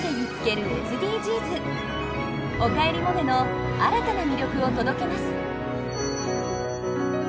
「おかえりモネ」の新たな魅力を届けます。